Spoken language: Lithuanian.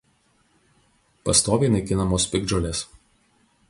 Pastoviai naikinamos piktžolės.